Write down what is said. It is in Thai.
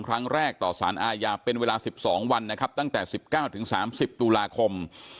ครั้งแรกต่อสารอาญาเป็นเวลา๑๒วันนะครับตั้งแต่๑๙๓๐ตุลาคม